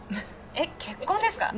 えっ結婚ですか？